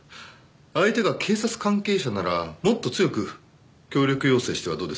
相手が警察関係者ならもっと強く協力要請してはどうです？